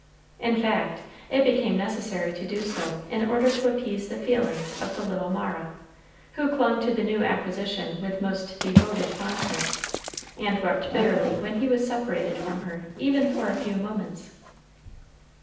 In fact, it became necessary to do so in order to appease the feelings of the little Mara, who clung to the new acquisition with most devoted fondness, and wept bitterly when he was separated from her even for a few moments.